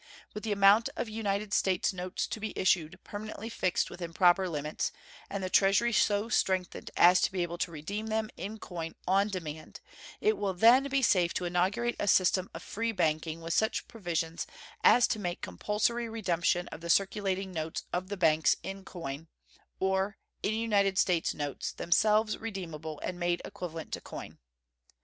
With the amount of United States notes to be issued permanently fixed within proper limits and the Treasury so strengthened as to be able to redeem them in coin on demand it will then be safe to inaugurate a system of free banking with such provisions as to make compulsory redemption of the circulating notes of the banks in coin, or in United States notes, themselves redeemable and made equivalent to coin.